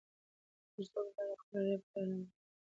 هر څوک باید خپله ژبه درنه وګڼي.